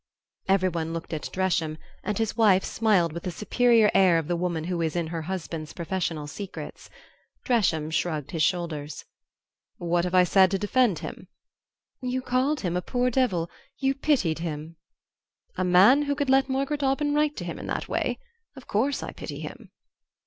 Everyone looked at Dresham, and his wife smiled with the superior air of the woman who is in her husband's professional secrets. Dresham shrugged his shoulders. "What have I said to defend him?" "You called him a poor devil you pitied him." "A man who could let Margaret Aubyn write to him in that way? Of course I pity him."